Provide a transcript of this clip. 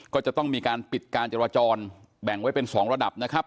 ก็จะต้องมีการปิดการจราจรแบ่งไว้เป็น๒ระดับนะครับ